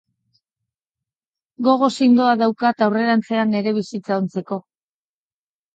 Gogo zindoa daukat aurrerantzean nire bizitza ontzeko.